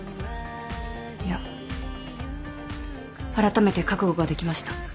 いやあらためて覚悟ができました。